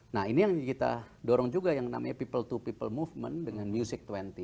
nah ini yang kita dorong juga yang namanya people to people movement dengan music dua puluh